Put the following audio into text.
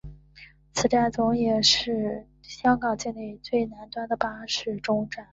此总站也是香港境内最南端的巴士终站。